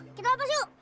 kita lepas yuk